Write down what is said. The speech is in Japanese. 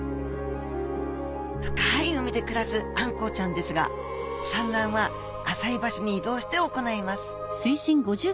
深い海で暮らすあんこうちゃんですが産卵は浅い場所に移動して行います。